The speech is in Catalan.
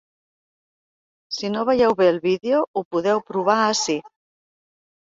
Si no veieu bé el vídeo, ho podeu provar ací.